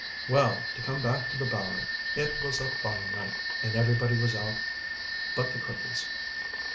Well, to come back to the Bowery. It was a fine night, and everybody was out but the cripples.